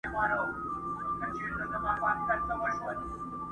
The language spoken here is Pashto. ترخه د طعن به غوځار کړي هله.